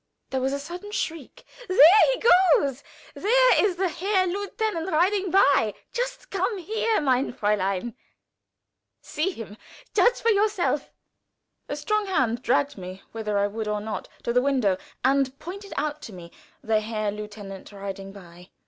There was a sudden shriek: "There he goes! There is the Herr Lieutenant riding by. Just come here, mein Fräulein! See him! Judge for yourself!" A strong hand dragged me, whether I would or not, to the window, and pointed out to me the Herr Lieutenant riding by.